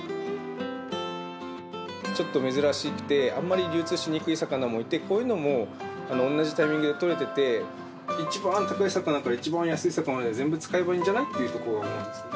ちょっと珍しくて、あんまり流通しにくい魚もいて、こういうのも同じタイミングで取れてて、一番高い魚から一番安い魚まで、全部使えばいいんじゃないって、僕は思いますね。